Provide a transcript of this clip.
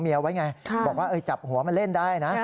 เอาไว้ไงบอกว่าจับหัวมันเล่นได้นะ